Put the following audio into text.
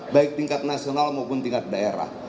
baik tingkat nasional maupun tingkat daerah